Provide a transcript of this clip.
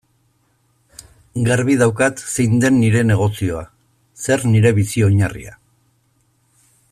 Garbi daukat zein den nire negozioa, zer nire bizi-oinarria.